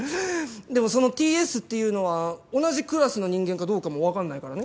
でもそのＴ・Ｓっていうのは同じクラスの人間かどうかもわかんないからね。